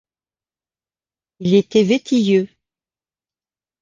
Il était vétilleux.